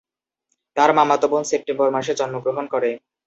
তার মামাতো বোন সেপ্টেম্বর মাসে জন্মগ্রহণ করে।